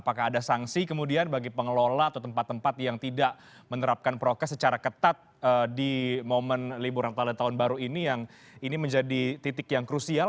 apakah ada sanksi kemudian bagi pengelola atau tempat tempat yang tidak menerapkan prokes secara ketat di momen libur natal dan tahun baru ini yang ini menjadi titik yang krusial